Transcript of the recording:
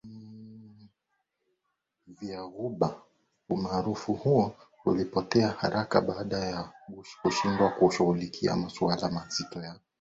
vya Ghuba umaarufu huo ulipotea haraka baada ya Bush kushindwa kushughulikia masuala mazito ya